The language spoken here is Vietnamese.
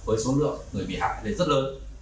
với số lượng người bị hạ đến rất lớn